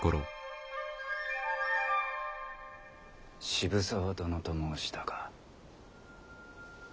渋沢殿と申したか。